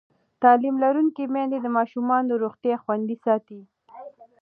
تعلیم لرونکې میندې د ماشومانو روغتیا خوندي ساتي.